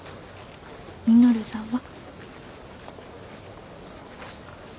稔さんは？